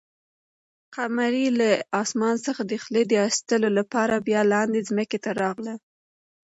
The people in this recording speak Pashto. قمرۍ له اسمانه څخه د خلي د اخیستلو لپاره بیا لاندې ځمکې ته راغله.